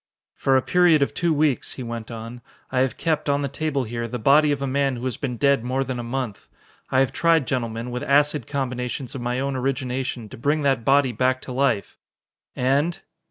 "For a period of two weeks," he went on, "I have kept, on the table here, the body of a man who has been dead more than a month. I have tried, gentlemen, with acid combinations of my own origination, to bring that body back to life. And